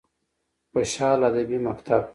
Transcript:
خوشحال ادبي مکتب: